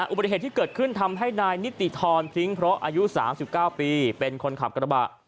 อุบัติเหตุที่เกิดขึ้นทำให้นายนิติธรพริ้งเพราะอายุ๓๙ปีเป็นคนขับกระบะ